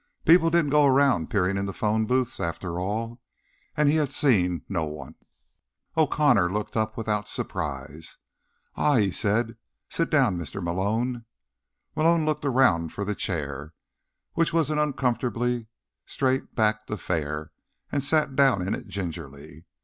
People didn't go around peering into phone booths, after all, and he had seen no one. O'Connor looked up without surprise. "Ah," he said. "Sit down, Mr. Malone." Malone looked around for the chair, which was an uncomfortably straight backed affair, and sat down in it gingerly.